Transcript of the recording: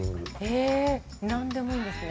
えぇ何でもいいんですね。